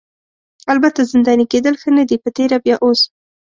البته زنداني کیدل ښه نه دي په تېره بیا اوس.